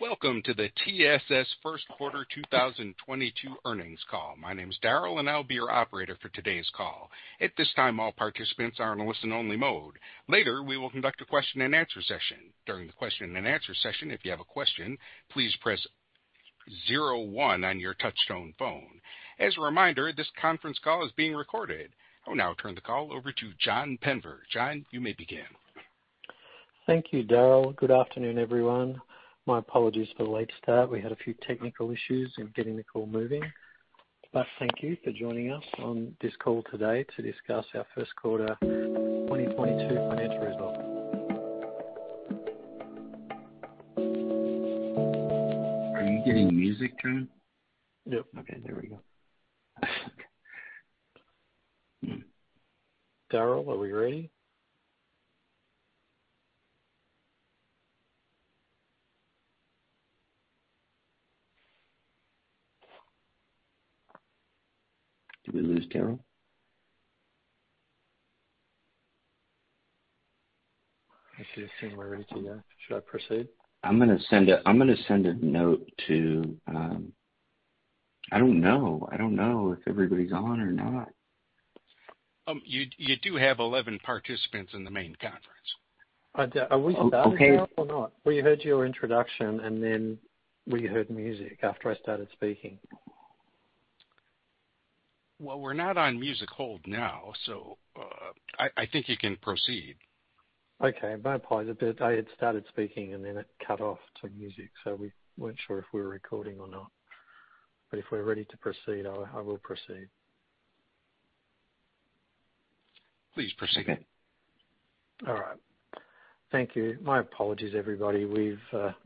Welcome to the TSS First Quarter 2022 Earnings call. My name is Darryl, and I'll be your operator for today's call. At this time, all participants are in listen-only mode. Later, we will conduct a question-and-answer session. During the question-and-answer session, if you have a question, please press 01 on your touch-tone phone. As a reminder, this conference call is being recorded. I will now turn the call over to John Penver. John, you may begin. Thank you, Darryl. Good afternoon, everyone. My apologies for the late start. We had a few technical issues in getting the call moving. But thank you for joining us on this call today to discuss our first quarter 2022 financial results. Are you getting music, John? Yep. Okay. There we go. Darryl, are we ready? Did we lose Darryl? I see a similarity to you. Should I proceed? I'm going to send a note to, I don't know. I don't know if everybody's on or not. You do have 11 participants in the main conference. Are we starting now or not? We heard your introduction, and then we heard music after I started speaking. We're not on music hold now, so I think you can proceed. Okay. My apologies. I had started speaking, and then it cut off to music, so we weren't sure if we were recording or not. But if we're ready to proceed, I will proceed. Please proceed. Okay. All right. Thank you. My apologies, everybody. We've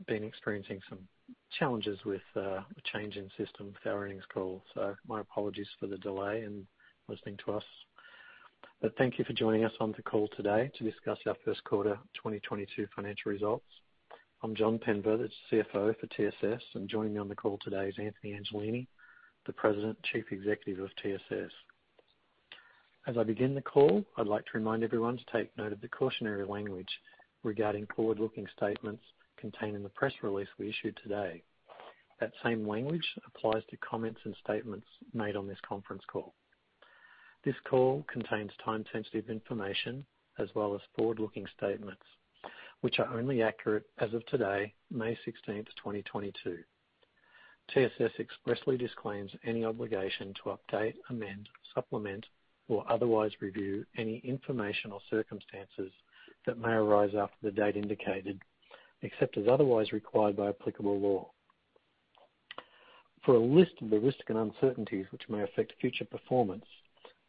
been experiencing some challenges with a change in system with our earnings call, so my apologies for the delay in listening to us. But thank you for joining us on the call today to discuss our first quarter 2022 financial results. I'm John Penver, the CFO for TSS, and joining me on the call today is Anthony Angelini, the President and Chief Executive of TSS. As I begin the call, I'd like to remind everyone to take note of the cautionary language regarding forward-looking statements contained in the press release we issued today. That same language applies to comments and statements made on this conference call. This call contains time-sensitive information as well as forward-looking statements, which are only accurate as of today, May 16th, 2022. TSS expressly disclaims any obligation to update, amend, supplement, or otherwise review any information or circumstances that may arise after the date indicated, except as otherwise required by applicable law. For a list of the risks and uncertainties which may affect future performance,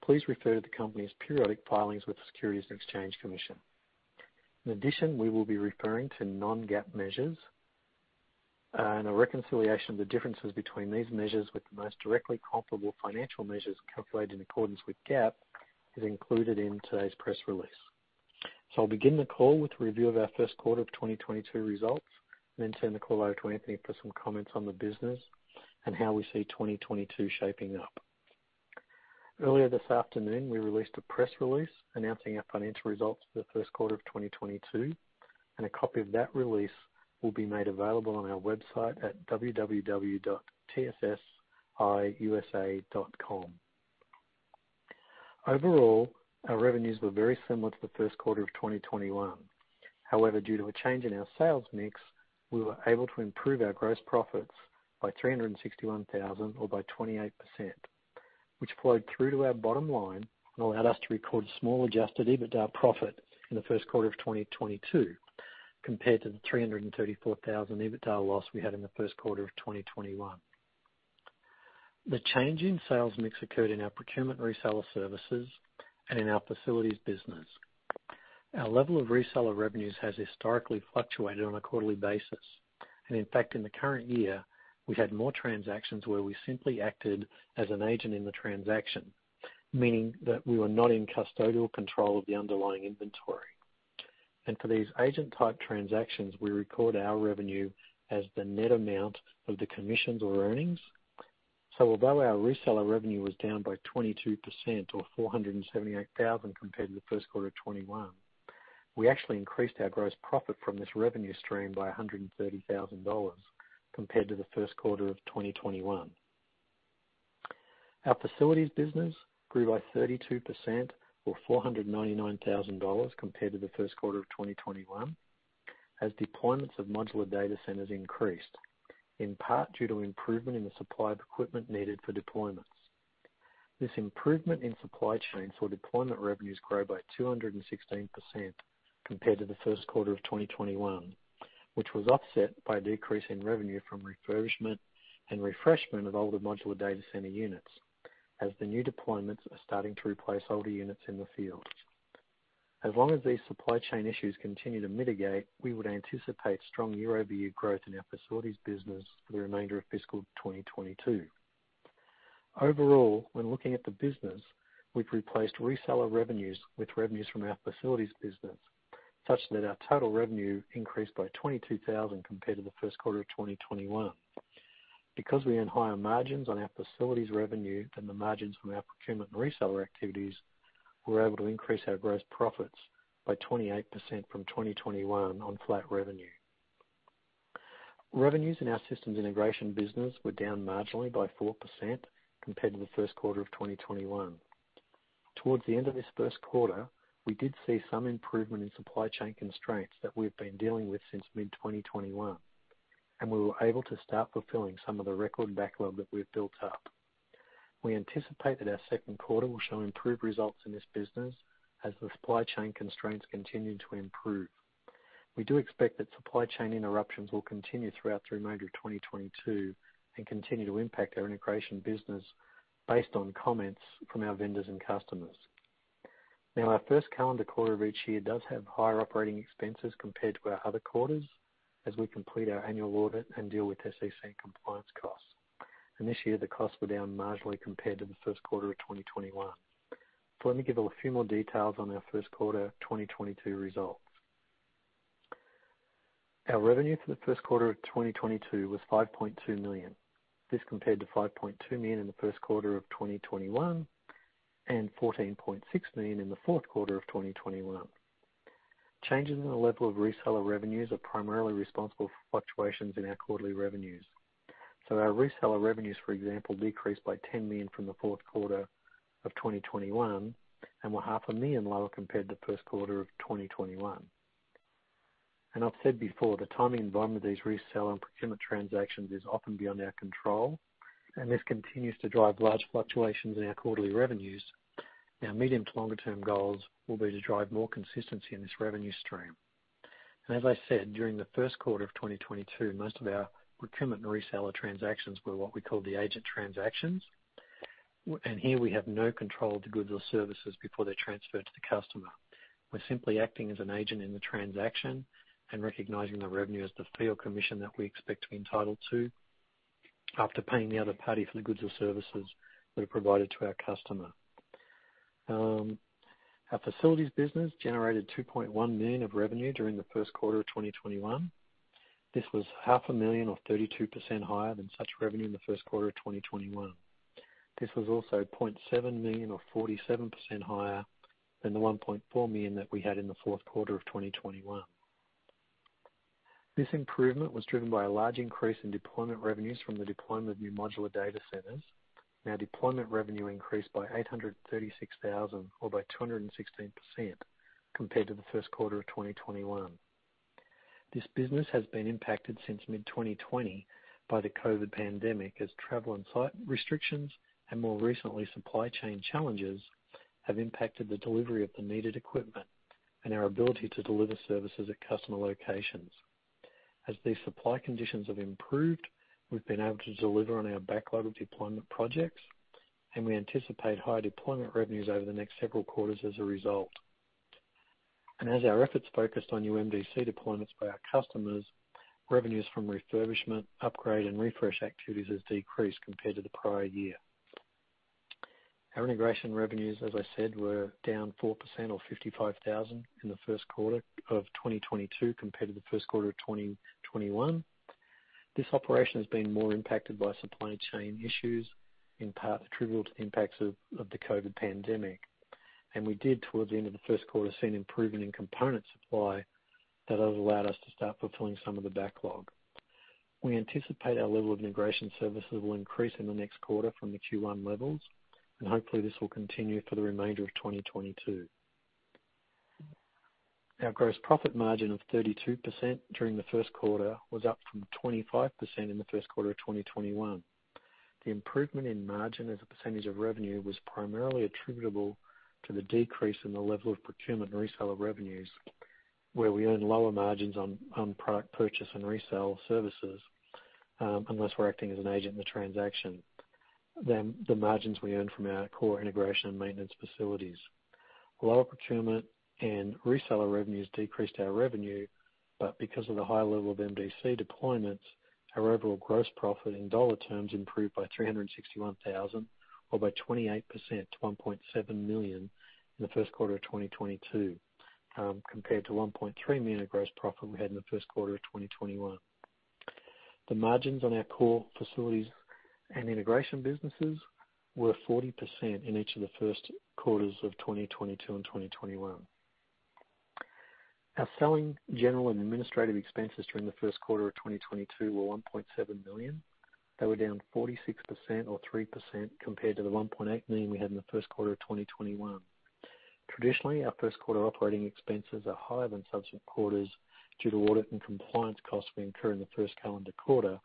please refer to the company's periodic filings with the Securities and Exchange Commission. In addition, we will be referring to non-GAAP measures, and a reconciliation of the differences between these measures with the most directly comparable financial measures calculated in accordance with GAAP is included in today's press release, so I'll begin the call with a review of our first quarter of 2022 results, and then turn the call over to Anthony for some comments on the business and how we see 2022 shaping up. Earlier this afternoon, we released a press release announcing our financial results for the first quarter of 2022, and a copy of that release will be made available on our website at www.tssiusa.com. Overall, our revenues were very similar to the first quarter of 2021. However, due to a change in our sales mix, we were able to improve our gross profits by $361,000 or by 28%, which flowed through to our bottom line and allowed us to record a small adjusted EBITDA profit in the first quarter of 2022 compared to the $334,000 EBITDA loss we had in the first quarter of 2021. The change in sales mix occurred in our procurement reseller services and in our facilities business. Our level of reseller revenues has historically fluctuated on a quarterly basis. And in fact, in the current year, we had more transactions where we simply acted as an agent in the transaction, meaning that we were not in custodial control of the underlying inventory. And for these agent-type transactions, we record our revenue as the net amount of the commissions or earnings. So although our reseller revenue was down by 22% or $478,000 compared to the first quarter of 2021, we actually increased our gross profit from this revenue stream by $130,000 compared to the first quarter of 2021. Our facilities business grew by 32% or $499,000 compared to the first quarter of 2021 as deployments of modular data centers increased, in part due to improvement in the supply of equipment needed for deployments. This improvement in supply chain saw deployment revenues grow by 216% compared to the first quarter of 2021, which was offset by a decrease in revenue from refurbishment and refreshment of older modular data center units as the new deployments are starting to replace older units in the field. As long as these supply chain issues continue to mitigate, we would anticipate strong year-over-year growth in our facilities business for the remainder of fiscal 2022. Overall, when looking at the business, we've replaced reseller revenues with revenues from our facilities business such that our total revenue increased by $22,000 compared to the first quarter of 2021. Because we earn higher margins on our facilities revenue than the margins from our procurement and reseller activities, we were able to increase our gross profits by 28% from 2021 on flat revenue. Revenues in our systems integration business were down marginally by 4% compared to the first quarter of 2021. Towards the end of this first quarter, we did see some improvement in supply chain constraints that we've been dealing with since mid-2021, and we were able to start fulfilling some of the record backlog that we've built up. We anticipate that our second quarter will show improved results in this business as the supply chain constraints continue to improve. We do expect that supply chain interruptions will continue throughout the remainder of 2022 and continue to impact our integration business based on comments from our vendors and customers. Now, our first calendar quarter of each year does have higher operating expenses compared to our other quarters as we complete our annual audit and deal with SEC compliance costs. This year, the costs were down marginally compared to the first quarter of 2021. Let me give you a few more details on our first quarter 2022 results. Our revenue for the first quarter of 2022 was $5.2 million. This compared to $5.2 million in the first quarter of 2021 and $14.6 million in the fourth quarter of 2021. Changes in the level of reseller revenues are primarily responsible for fluctuations in our quarterly revenues. Our reseller revenues, for example, decreased by $10 million from the fourth quarter of 2021 and were $500,000 lower compared to the first quarter of 2021. I've said before, the timing environment of these reseller and procurement transactions is often beyond our control, and this continues to drive large fluctuations in our quarterly revenues. Our medium to longer-term goals will be to drive more consistency in this revenue stream. As I said, during the first quarter of 2022, most of our procurement and reseller transactions were what we called the agent transactions. Here, we have no control of the goods or services before they're transferred to the customer. We're simply acting as an agent in the transaction and recognizing the revenue as the fee or commission that we expect to be entitled to after paying the other party for the goods or services that are provided to our customer. Our facilities business generated $2.1 million of revenue during the first quarter of 2022. This was $500,000 or 32% higher than such revenue in the first quarter of 2021. This was also $0.7 million or 47% higher than the $1.4 million that we had in the fourth quarter of 2021. This improvement was driven by a large increase in deployment revenues from the deployment of new modular data centers. Now, deployment revenue increased by $836,000 or by 216% compared to the first quarter of 2021. This business has been impacted since mid-2020 by the COVID pandemic as travel and site restrictions and, more recently, supply chain challenges have impacted the delivery of the needed equipment and our ability to deliver services at customer locations. As these supply conditions have improved, we've been able to deliver on our backlog of deployment projects, and we anticipate higher deployment revenues over the next several quarters as a result, and as our efforts focused on UMDC deployments by our customers, revenues from refurbishment, upgrade, and refresh activities have decreased compared to the prior year. Our integration revenues, as I said, were down 4% or $55,000 in the first quarter of 2022 compared to the first quarter of 2021. This operation has been more impacted by supply chain issues, in part attributable to the impacts of the COVID pandemic. We did, towards the end of the first quarter, see an improvement in component supply that has allowed us to start fulfilling some of the backlog. We anticipate our level of integration services will increase in the next quarter from the Q1 levels, and hopefully, this will continue for the remainder of 2022. Our gross profit margin of 32% during the first quarter was up from 25% in the first quarter of 2021. The improvement in margin as a percentage of revenue was primarily attributable to the decrease in the level of procurement and reseller revenues, where we earn lower margins on product purchase and reseller services unless we're acting as an agent in the transaction. Then, the margins we earned from our core integration and maintenance facilities. Lower procurement and reseller revenues decreased our revenue, but because of the high level of MDC deployments, our overall gross profit in dollar terms improved by $361,000 or by 28% to $1.7 million in the first quarter of 2022 compared to $1.3 million of gross profit we had in the first quarter of 2021. The margins on our core facilities and integration businesses were 40% in each of the first quarters of 2022 and 2021. Our selling, general, and administrative expenses during the first quarter of 2022 were $1.7 million. They were down 46% to $3 million compared to the $5.6 million we had in the first quarter of 2021. Traditionally, our first quarter operating expenses are higher than subsequent quarters due to audit and compliance costs we incur in the first calendar quarter,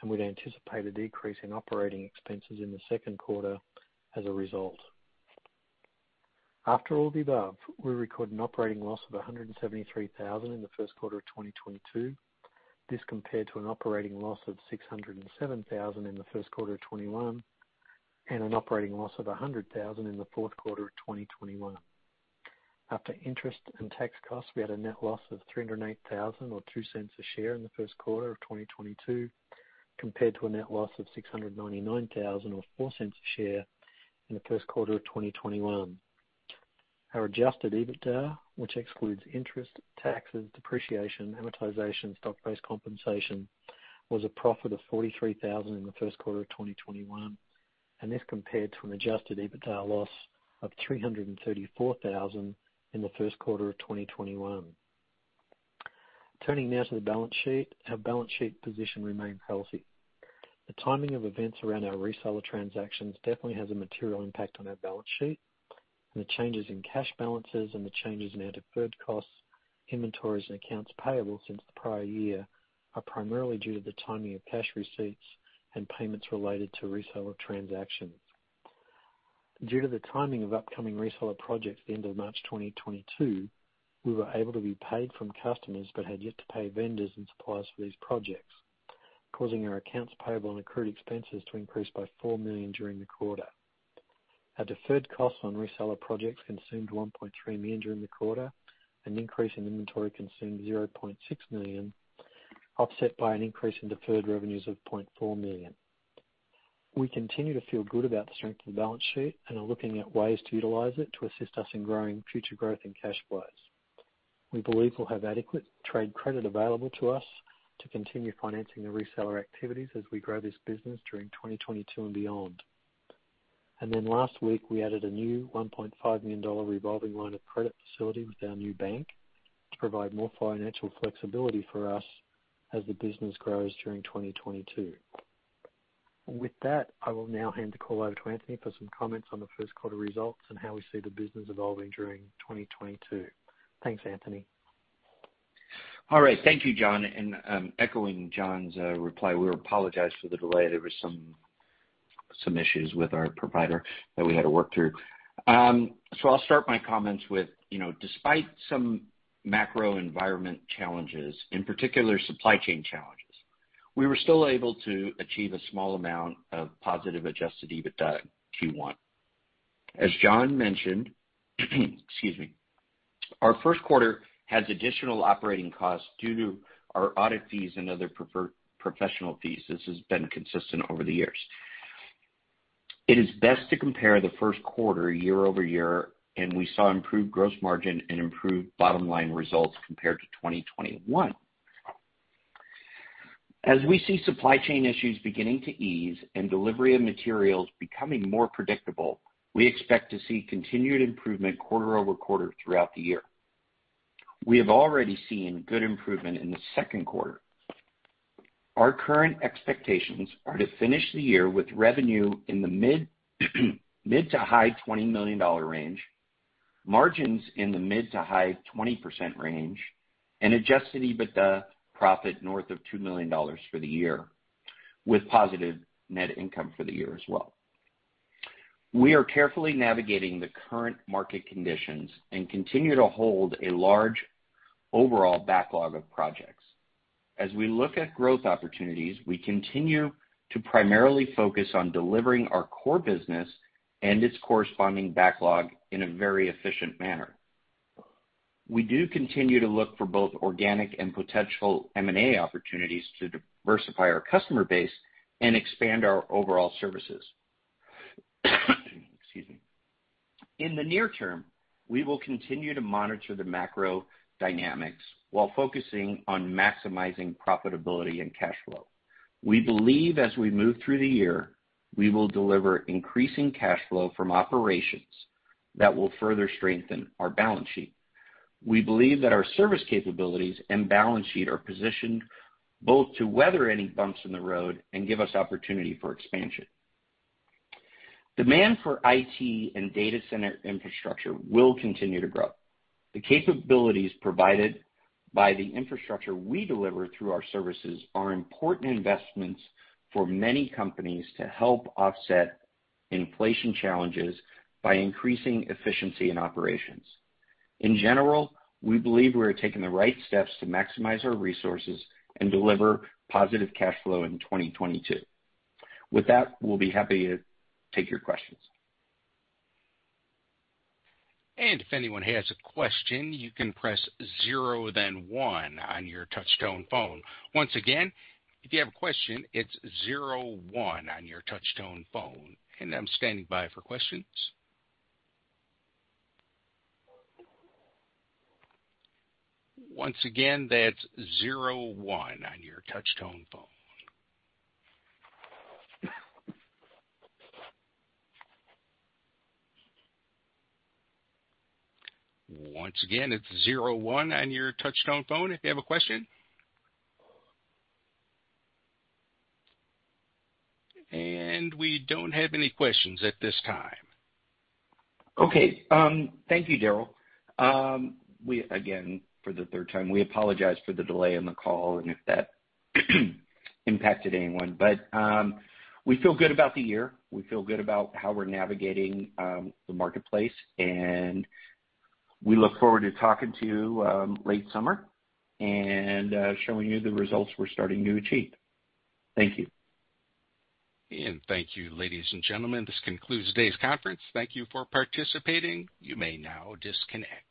and we'd anticipate a decrease in operating expenses in the second quarter as a result. After all the above, we record an operating loss of $173,000 in the first quarter of 2022. This compared to an operating loss of $607,000 in the first quarter of 2021 and an operating loss of $100,000 in the fourth quarter of 2021. After interest and tax costs, we had a net loss of $308,000 or $0.02 a share in the first quarter of 2022 compared to a net loss of $699,000 or $0.04 a share in the first quarter of 2021. Our adjusted EBITDA, which excludes interest, taxes, depreciation, amortization, and stock-based compensation, was a profit of $43,000 in the first quarter of 2021, and this compared to an adjusted EBITDA loss of $334,000 in the first quarter of 2021. Turning now to the balance sheet, our balance sheet position remains healthy. The timing of events around our reseller transactions definitely has a material impact on our balance sheet, and the changes in cash balances and the changes in our deferred costs, inventories, and accounts payable since the prior year are primarily due to the timing of cash receipts and payments related to reseller transactions. Due to the timing of upcoming reseller projects at the end of March 2022, we were able to be paid from customers but had yet to pay vendors and suppliers for these projects, causing our accounts payable and accrued expenses to increase by $4 million during the quarter. Our deferred costs on reseller projects consumed $1.3 million during the quarter, and an increase in inventory consumed $0.6 million, offset by an increase in deferred revenues of $0.4 million. We continue to feel good about the strength of the balance sheet and are looking at ways to utilize it to assist us in growing future growth in cash flows. We believe we'll have adequate trade credit available to us to continue financing the reseller activities as we grow this business during 2022 and beyond. Then last week, we added a new $1.5 million revolving line of credit facility with our new bank to provide more financial flexibility for us as the business grows during 2022. With that, I will now hand the call over to Anthony for some comments on the first quarter results and how we see the business evolving during 2022. Thanks, Anthony. All right. Thank you, John, and echoing John's reply, we apologize for the delay. There were some issues with our provider that we had to work through, so I'll start my comments with, despite some macro environment challenges, in particular, supply chain challenges, we were still able to achieve a small amount of positive Adjusted EBITDA Q1. As John mentioned, excuse me, our first quarter has additional operating costs due to our audit fees and other professional fees. This has been consistent over the years. It is best to compare the first quarter year over year, and we saw improved gross margin and improved bottom line results compared to 2021. As we see supply chain issues beginning to ease and delivery of materials becoming more predictable, we expect to see continued improvement quarter over quarter throughout the year. We have already seen good improvement in the second quarter. Our current expectations are to finish the year with revenue in the mid- to high-$20 million range, margins in the mid- to high-20% range, and adjusted EBITDA profit north of $2 million for the year with positive net income for the year as well. We are carefully navigating the current market conditions and continue to hold a large overall backlog of projects. As we look at growth opportunities, we continue to primarily focus on delivering our core business and its corresponding backlog in a very efficient manner. We do continue to look for both organic and potential M&A opportunities to diversify our customer base and expand our overall services. Excuse me. In the near term, we will continue to monitor the macro dynamics while focusing on maximizing profitability and cash flow. We believe as we move through the year, we will deliver increasing cash flow from operations that will further strengthen our balance sheet. We believe that our service capabilities and balance sheet are positioned both to weather any bumps in the road and give us opportunity for expansion. Demand for IT and data center infrastructure will continue to grow. The capabilities provided by the infrastructure we deliver through our services are important investments for many companies to help offset inflation challenges by increasing efficiency in operations. In general, we believe we are taking the right steps to maximize our resources and deliver positive cash flow in 2022. With that, we'll be happy to take your questions. And if anyone has a question, you can press 0, then 1 on your touch-tone phone. Once again, if you have a question, it's 0, 1 on your touch-tone phone. And I'm standing by for questions. Once again, that's 0, 1 on your touch-tone phone. Once again, it's 0, 1 on your touch-tone phone if you have a question. And we don't have any questions at this time. Okay. Thank you, Darryl. Again, for the third time, we apologize for the delay in the call and if that impacted anyone. But we feel good about the year. We feel good about how we're navigating the marketplace, and we look forward to talking to you late summer and showing you the results we're starting to achieve. Thank you. And thank you, ladies and gentlemen. This concludes today's conference. Thank you for participating. You may now disconnect.